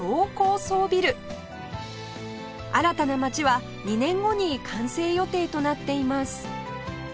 新たな町は２年後に完成予定となっています